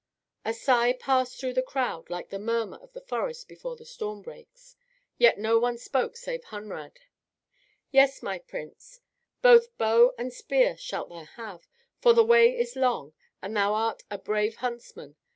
A sigh passed through the crowd, like the murmur of the forest before the storm breaks. Yet no one spoke save Hunrad: "Yes, my Prince, both bow and spear shalt thou have, for the way is long, and thou art a brave huntsman.